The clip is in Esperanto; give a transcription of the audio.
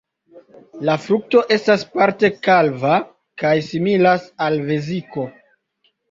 La frukto estas parte kalva kaj similas al veziko.